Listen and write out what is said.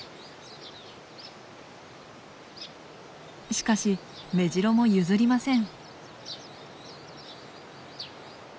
しかしメジロも譲りません。